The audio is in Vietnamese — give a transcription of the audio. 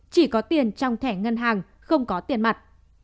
chỉ có tiền trong thẻ ngân hàng không có tiền mặt